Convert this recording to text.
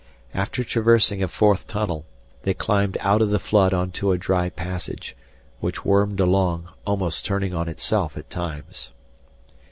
After traversing a fourth tunnel, they climbed out of the flood onto a dry passage, which wormed along, almost turning on itself at times.